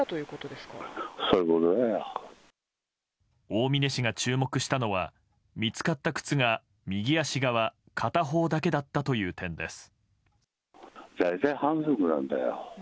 大峯氏が注目したのは見つかった靴が右足側、片方だけだったという点です。